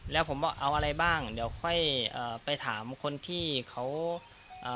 แล้วผมบอกเอาอะไรบ้างเดี๋ยวค่อยเอ่อไปถามคนที่เขาเอ่อ